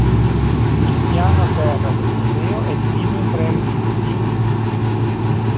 Il piano terra del Museo è diviso in tre ambienti.